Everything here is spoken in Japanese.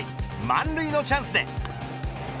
満塁のチャンスで。